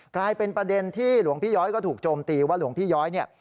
กลายเป็นประเด็นที่หลวงพี่ย้อยก็ถูกโจมตีว่าหลวงพี่ย้อยเนี่ย